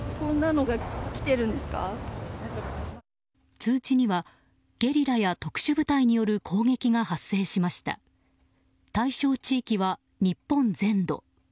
通知にはゲリラや特殊部隊による攻撃が発生しました対象地域は日本全土。